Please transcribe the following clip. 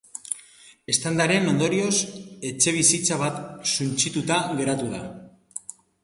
Eztandaren ondorioz etxebizitza bat suntsituta geratu da.